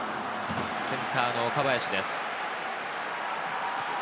センターの岡林です。